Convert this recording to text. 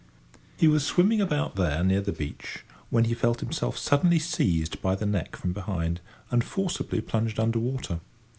He was swimming about there near the beach, when he felt himself suddenly seized by the neck from behind, and forcibly plunged under water.